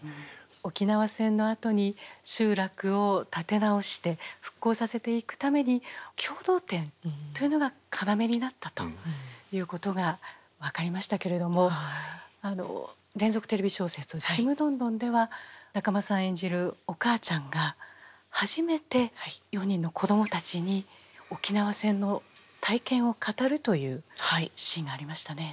沖縄戦のあとに集落を立て直して復興させていくために共同店というのが要になったということが分かりましたけれども連続テレビ小説「ちむどんどん」では仲間さん演じるお母ちゃんが初めて４人の子供たちに沖縄戦の体験を語るというシーンがありましたね。